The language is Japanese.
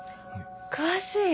詳しい！